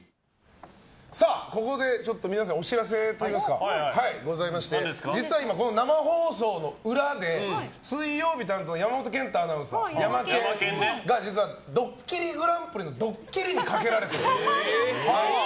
ここで皆さんにお知らせがございまして実は今、生放送の裏で水曜日担当の山本賢太アナウンサーヤマケンが、実は「ドッキリＧＰ」のドッキリにかけられている。